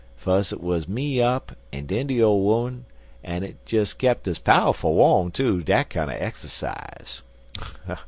Fus' it wuz me up an' den de ole 'oman, an' it kep' us pow'ful warm, too, dat kinder exercise.